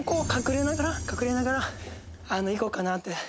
隠れながら隠れながら行こうかなって。